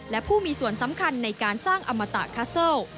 และผู้มีส่วนสำคัญในการสร้างอมตะคัสเซิล